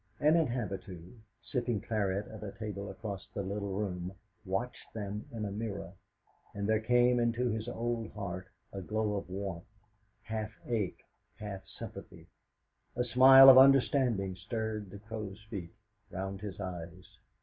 An habitue, sipping claret at a table across the little room, watched them in a mirror, and there came into his old heart a glow of warmth, half ache, half sympathy; a smile of understanding stirred the crow's feet round his eyes.